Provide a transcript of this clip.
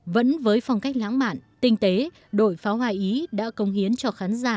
vẫn với phong cách lãng mạn tinh tế đội pháo hoa ý đã công hiến cho khán giả